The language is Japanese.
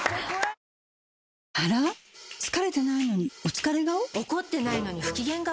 疲れてないのにお疲れ顔？